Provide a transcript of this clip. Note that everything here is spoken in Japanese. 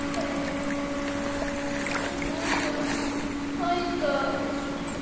お父ちゃん会いたい。